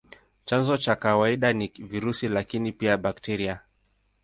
Chanzo cha kawaida ni virusi, lakini pia bakteria.